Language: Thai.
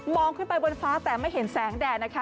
ขึ้นไปบนฟ้าแต่ไม่เห็นแสงแดดนะคะ